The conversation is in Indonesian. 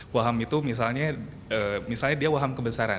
waham itu misalnya dia waham kebesaran